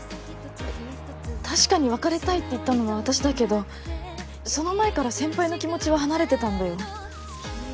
確かに別れたいって言ったのは私だけどその前から先輩の気持ちは離れてたんだよ？